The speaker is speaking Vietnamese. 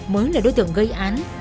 mới là đối tượng gây án